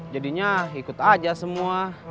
jadinya ikut aja semua